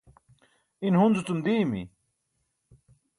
in Hunzu-cum diimi